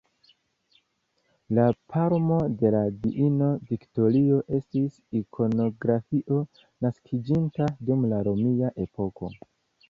La palmo de la diino Viktorio estis ikonografio naskiĝinta dum la romia epoko.